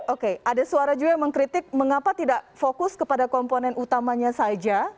oke ada suara juga yang mengkritik mengapa tidak fokus kepada komponen utamanya saja